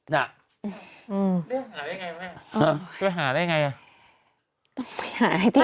น่ะอืมไปหาได้ยังไงแม่อืมไปหาได้ยังไง